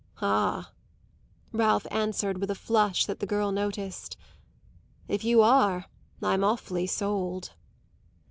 "Ah," Ralph answered with a flush that the girl noticed, "if you are I'm awfully sold!"